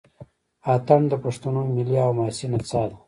اټن د پښتنو ملي او حماسي نڅا ده.